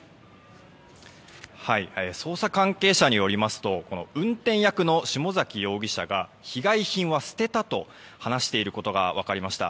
捜査関係者によりますと運転役の下崎容疑者は被害品は捨てたと話していることが分かりました。